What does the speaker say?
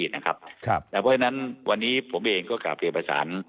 เพราะฉะนั้นวันนี้ผมเองก็กลับเรียนประสาน